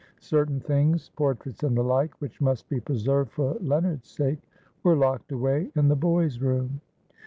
Certain things (portraits and the like) which must be preserved for Leonard's sake were locked away in the boy's room.